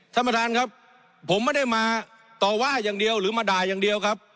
ท่านประธานครับผมไม่ได้มาต่อว่าอย่างเดียวหรือมาด่าอย่างเดียวครับ